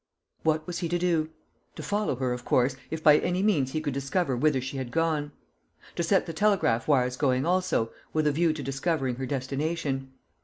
What was he to do? To follow her, of course, if by any means he could discover whither she had gone. To set the telegraph wires going, also, with a view to discovering her destination.